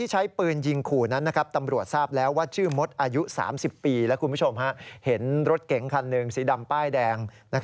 ชื่อมดอายุ๓๐ปีแล้วคุณผู้ชมเห็นรถเก่งคันหนึ่งสีดำป้ายแดง